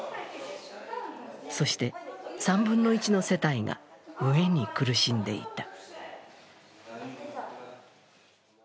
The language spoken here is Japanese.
そして、３分の１の世帯が飢えに苦しんでいた。